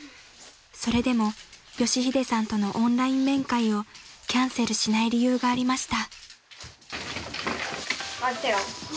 ［それでも佳秀さんとのオンライン面会をキャンセルしない理由がありました］